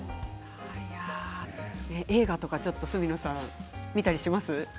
映画とか、角野さん見たりしますか？